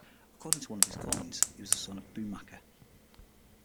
According to one of his coins, he was the son of Bhumaka.